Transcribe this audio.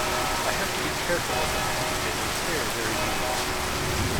I have to be careful of them, as they tear very easily.